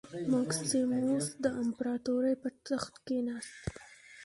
مکسیموس د امپراتورۍ پر تخت کېناست